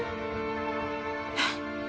えっ！？